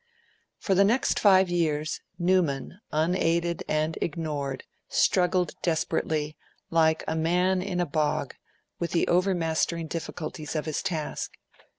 For the next five years Newman, unaided and ignored, struggled desperately, like a man in a bog, with the overmastering difficulties of his task.